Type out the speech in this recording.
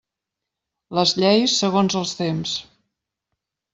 Les lleis, segons els temps.